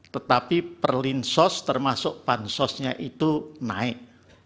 tetapi perlinsos termasuk bansosnya itu naik